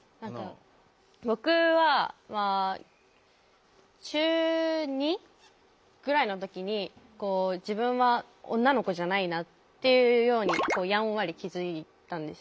僕はまあ中２ぐらいの時に自分は女の子じゃないなっていうようにやんわり気付いたんですよ。